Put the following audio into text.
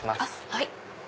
はい。